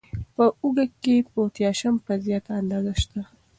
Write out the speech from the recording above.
په هوږه کې پوتاشیم په زیاته اندازه شته.